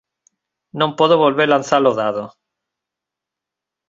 Non podo volver lanzar o dado.